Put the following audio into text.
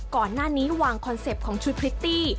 ก่อนหน้านี้วางคอนเซ็ปต์ของชุดพริตตี้